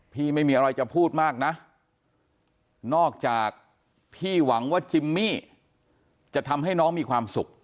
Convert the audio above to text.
ไม่มีอะไรจะพูดมากนะนอกจากพี่หวังว่าจิมมี่จะทำให้น้องมีความสุข